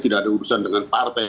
tidak ada urusan dengan partai